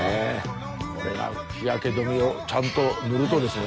これが日焼け止めをちゃんと塗るとですね